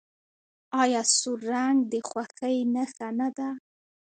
آیا سور رنګ د خوښۍ نښه نه ده؟